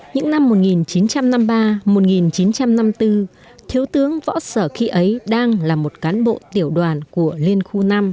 những năm một nghìn chín trăm năm mươi ba một nghìn chín trăm năm mươi bốn thiếu tướng võ sở khi ấy đang là một cán bộ tiểu đoàn của liên khu năm